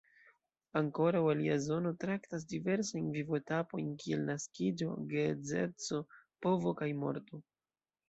Ankoraŭ alia zono traktas diversajn vivo-etapojn kiel naskiĝo, geedzeco, povo kaj morto.